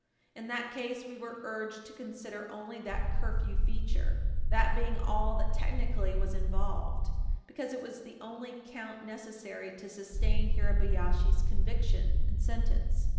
In that case, we were urged to consider only the curfew feature, that being all that technically was involved, because it was the only count necessary to sustain Hirabayashi's conviction and sentence.